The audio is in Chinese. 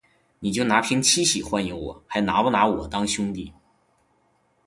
你就拿瓶七喜欢迎我，还拿不拿我当兄弟